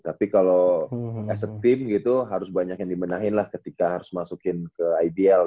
tapi kalau as a team gitu harus banyak yang dibenahin lah ketika harus masukin ke ibl